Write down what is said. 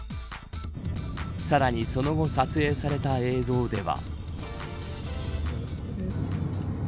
さらにその後、撮影された映像では。